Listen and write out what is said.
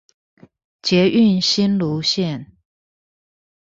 捷運新蘆線